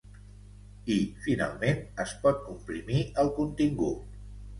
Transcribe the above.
I, finalment, es pot comprimir el contingut.